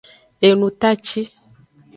Enutaci.